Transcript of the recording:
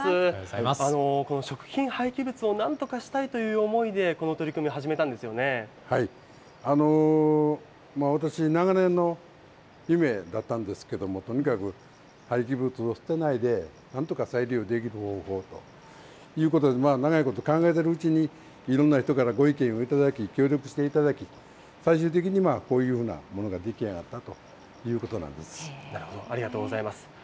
この食品廃棄物をなんとかしたいという思いで、この取り組み私、長年の夢だったんですけれども、とにかく廃棄物を捨てないで、なんとか再利用できる方法ということで、長いこと考えているうちに、いろんな人からご意見を頂き、協力していただき、最終的にこういうふうなものが出来上なるほど、ありがとうございます。